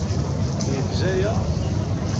Yegza aya?